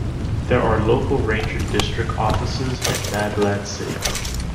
There are local ranger district offices in Malad City.